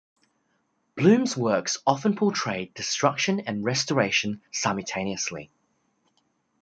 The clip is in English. Blume's works often portrayed destruction and restoration simultaneously.